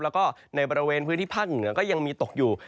แล้วก็ในบริเวณพื้นที่ภาคเหนือก็ยังมีตกอยู่